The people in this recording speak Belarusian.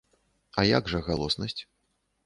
А як жа галоснасць?